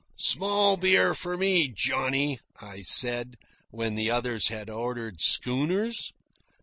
"Small beer for me, Johnny," I said, when the others had ordered schooners.